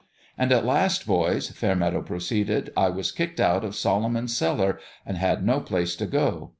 " And at last, boys," Fairmeadow proceeded, " I was kicked out of Solomon's Cellar, and had no place to go.